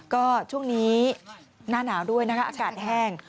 ก็ช่วงนี้หน้าหนาวด้วยนะคะอากาศแห้ง